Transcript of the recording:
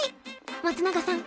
松永さん